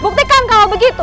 buktikan kalau begitu